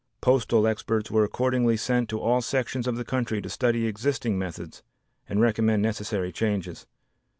Postal experts were accordingly sent to all sections of the country to study existing methods and recommend necessary changes.